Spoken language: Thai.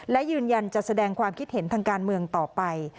และยืนยันจะแสดงความคิดเห็นทางการเมืองต่อไป